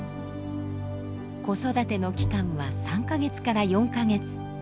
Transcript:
子育ての期間は３か月から４か月。